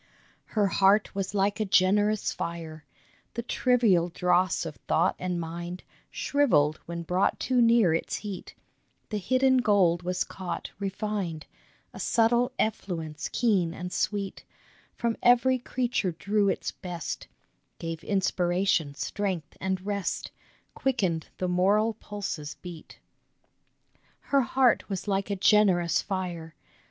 Her heart was like a generous fire ! The trivial dross of thought and mind Shrivelled when brought too near its heat, The hidden gold was caught, refined ; A subtle effluence keen and sweet From every creature drew its best ; Gave inspiration, strength, and rest, Quickened the moral pulse's beat. HER HEART A GENEROUS FIRE 2$ Her heart was like a generous fire